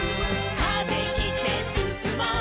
「風切ってすすもう」